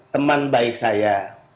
teman baik saya